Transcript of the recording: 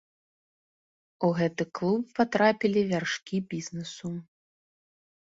У гэты клуб патрапілі вяршкі бізнесу.